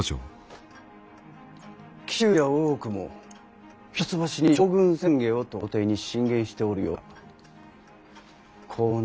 紀州や大奥も「一橋に将軍宣下を」と朝廷に進言しておるようだ。